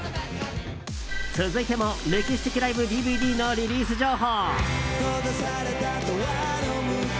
続いても歴史的ライブＤＶＤのリリース情報。